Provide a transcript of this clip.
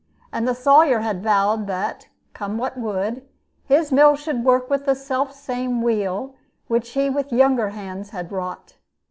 And the Sawyer had vowed that, come what would, his mill should work with the self same wheel which he with younger hands had wrought.